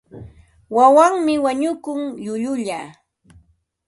Wawanmi wañukun llullulla.